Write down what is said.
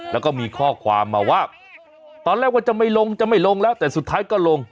แล้วก็มีข้อความมาว่าตอนแรกว่าจะไม่ลงจะไม่ลงแล้วแต่สุดท้ายก็ลง